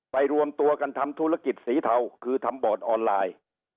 รวมตัวกันทำธุรกิจสีเทาคือทำบอร์ดออนไลน์